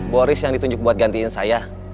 boris yang ditunjuk buat gantiin saya